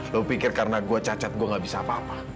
lu pikir karena gua cacat gua gak bisa apa apa